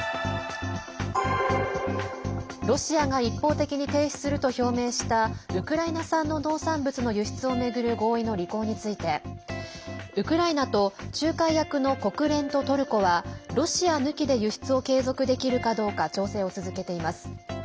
ロシアが一方的に停止すると表明したウクライナ産の農産物の輸出を巡る合意の履行についてウクライナと仲介役の国連とトルコはロシア抜きで輸出を継続できるかどうか調整を続けています。